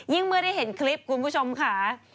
เมื่อได้เห็นคลิปคุณผู้ชมค่ะ